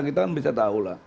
kita bisa tahu